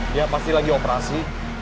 dia pasti lagi operasi